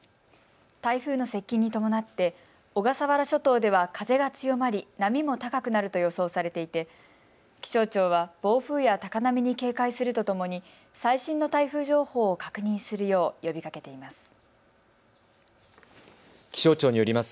台風の接近に伴って小笠原諸島では風が強まり波も高くなると予想されていて気象庁は暴風や高波に警戒するとともに最新の台風情報を確認するよう呼びかけています。